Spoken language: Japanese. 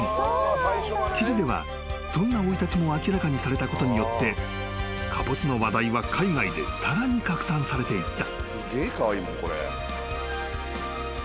［記事ではそんな生い立ちも明らかにされたことによってかぼすの話題は海外でさらに拡散されていった］